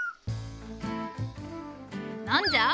何じゃ？